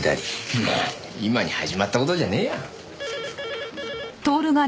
何今に始まった事じゃねえよ。